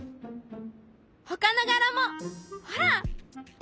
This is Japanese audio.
ほかの柄もほら！